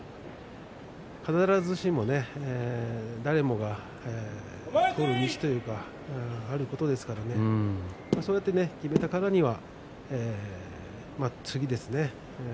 必ずしも誰もがゴールにしているというかあることですからそうやって決めたからには次ですね。